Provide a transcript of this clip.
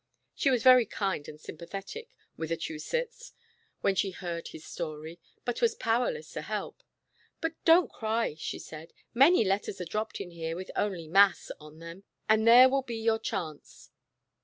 She was very kind and sympathetic with Achu setts, when she heard his story, but was powerless to help. "But don't cry," she said, "many letters are dropped in here with only ' Mass ' on them, and there will be your chance."